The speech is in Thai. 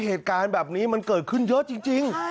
เหตุการณ์แบบนี้มันเกิดขึ้นเยอะจริง